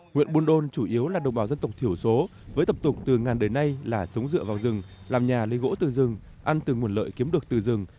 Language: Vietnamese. huyện buôn đôn chủ yếu là đồng bào dân tộc thiểu số với tập tục từ ngàn đời nay là sống dựa vào rừng làm nhà lấy gỗ từ rừng ăn từ nguồn lợi kiếm được từ rừng